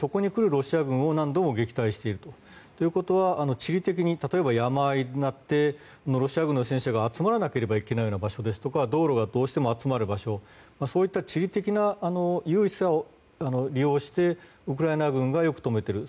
ロシア軍を何度も撃退していると。ということは地理的に例えば山あいになってロシア軍の戦車が集まらなければいけないような場所ですとか道路や、どうしても集まる場所そうした地理的な優位さを利用してウクライナ軍がよく止めている。